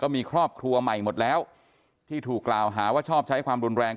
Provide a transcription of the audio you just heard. มีครอบครัวใหม่หมดแล้วที่ถูกกล่าวหาว่าชอบใช้ความรุนแรง